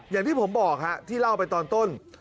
อย่างที่ผมบอกที่เล่าไปตอนต้น